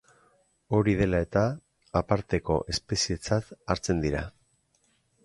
Hori dela eta, aparteko espezietzat hartzen dira.